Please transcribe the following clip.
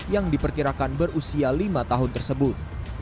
yang diperkirakan berusia lima tahun tersebut